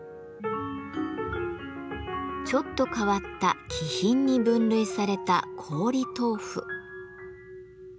ちょっと変わった「奇品」に分類された「こおり豆腐」。